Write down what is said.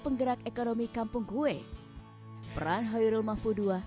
penggerak ekonomi kampung kue peran hoyrul mahfudua